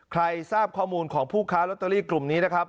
ใครทราบข้อมูลของผู้ค้าลอตเตอรี่กลุ่มนี้นะครับ